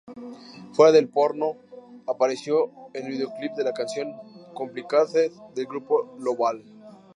Fuera del porno apareció en el videoclip de la canción "Complicated" del grupo Lo-Ball.